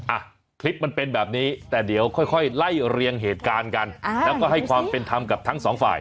อ่ะคลิปมันเป็นแบบนี้แต่เดี๋ยวค่อยค่อยไล่เรียงเหตุการณ์กันอ่าแล้วก็ให้ความเป็นธรรมกับทั้งสองฝ่าย